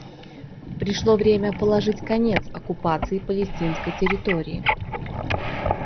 Пришло время положить конец оккупации палестинской территории.